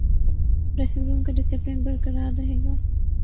dressing room کا discipline برقرار رہے گا